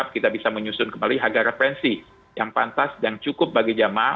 kita bisa menyusun kembali harga referensi yang pantas dan cukup bagi jamaah